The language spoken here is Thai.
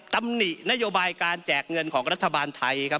ตำหนินโยบายการแจกเงินของรัฐบาลไทยครับ